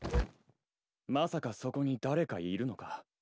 まさかそこに誰かいるのか？